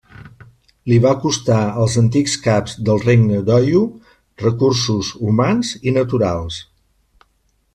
Li va costar als antics caps del regne d'Oyo recursos humans i naturals.